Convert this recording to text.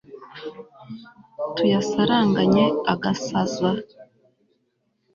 tuyasaranganye agasasa